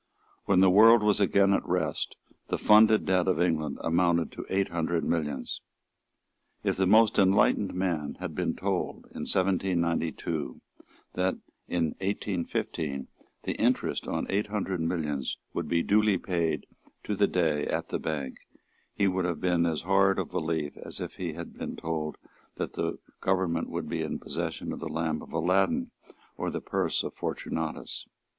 When the world was again at rest the funded debt of England amounted to eight hundred millions. If the most enlightened man had been told, in 1792, that, in 1815, the interest on eight hundred millions would be duly paid to the day at the Bank, he would have been as hard of belief as if he had been told that the government would be in possession of the lamp of Aladdin or of the purse of Fortunatus.